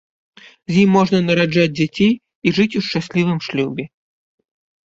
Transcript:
З ім можна нараджаць дзяцей і жыць у шчаслівым шлюбе.